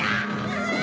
・うわ！